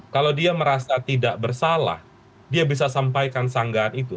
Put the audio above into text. kalau dia merasa tidak bersalah dia bisa sampaikan sanggahan itu